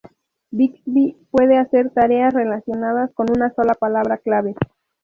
Bixby puede hacer tareas relacionadas con una sola palabra clave.